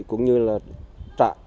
cũng như là trả vấn đề tiền là trụ sở ủy ban